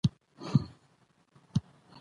د مېلو له لاري د خلکو کلتوري تفاهم زیاتېږي.